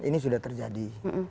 ini sudah terjadi